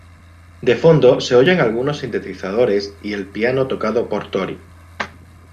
De fondo, se oyen algunos sintetizadores y el piano tocado por Tori.